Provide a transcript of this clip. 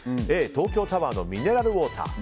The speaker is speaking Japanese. Ａ、東京タワーのミネラルウォーター。